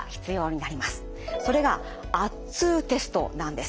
それが圧痛テストなんです。